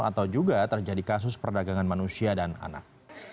atau juga terjadi kasus perdagangan manusia dan anak